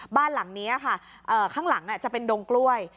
บ้านหลังนี้ค่ะข้างหลังจะเป็นดงกล้วย